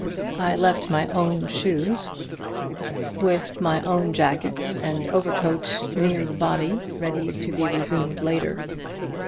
I left my own shoes, with my own jacket and overcoat, near the body, ready to be resumed later.